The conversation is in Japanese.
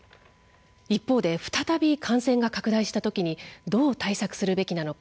一方で再び感染が拡大したときにどう対策するべきなのか。